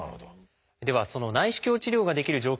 ではその内視鏡治療ができる条件